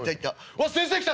わっ先生来た！